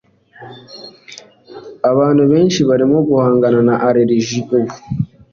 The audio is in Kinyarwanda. Abantu benshi barimo guhangana na allergie ubu